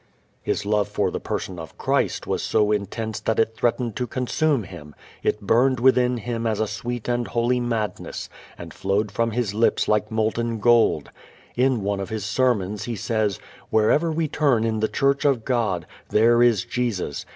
His love for the Person of Christ was so intense that it threatened to consume him; it burned within him as a sweet and holy madness and flowed from his lips like molten gold. In one of his sermons he says, "Wherever we turn in the church of God, there is Jesus.